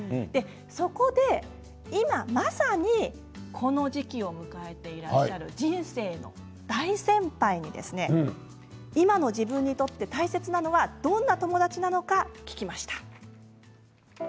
そこで今まさに、この時期を迎えていらっしゃる人生の大先輩に今の自分にとって大切なのはどんな友達なのか聞きました。